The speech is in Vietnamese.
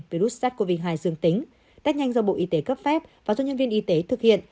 virus sars cov hai dương tính test nhanh do bộ y tế cấp phép và do nhân viên y tế thực hiện